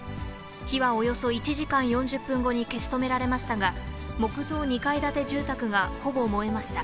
火はおよそ１時間４０分後に消し止められましたが、木造２階建て住宅がほぼ燃えました。